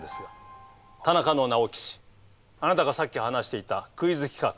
田中の直樹氏あなたがさっき話していたクイズ企画。